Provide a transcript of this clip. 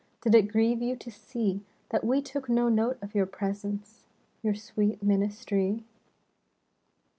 Did it grieve you to see That we took no note of your presence ? Your sweet ministry?